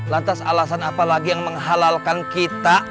lantas alasan apa lagi yang menghalalkan kita